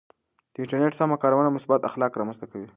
د انټرنیټ سمه کارونه مثبت اخلاق رامنځته کوي.